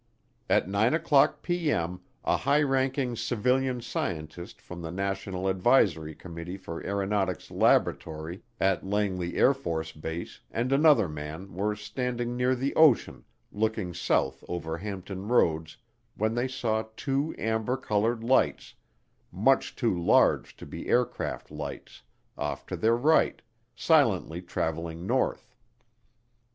At 9:00P.M. a high ranking civilian scientist from the National Advisory Committee for Aeronautics Laboratory at Langley AFB and another man were standing near the ocean looking south over Hampton Roads when they saw two amber colored lights, "much too large to be aircraft lights," off to their right, silently traveling north.